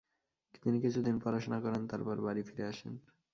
তিনি কিছুদিন পড়াশোনা করেন ; তারপর বাড়ি ফিরে আসেন।